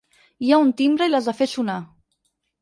Hi ha un timbre i l’has de fer sonar.